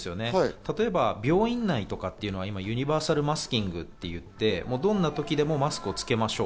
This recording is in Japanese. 例えば病院内とかはユニバーサルマスキングといって、どんな時でもマスクをつけましょう。